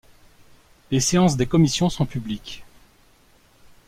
Les séances des commissions sont publiques.